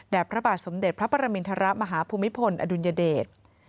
และพระบาทสมเด็จพระปรมินทรมาฮภูมิพลอดุลยเดช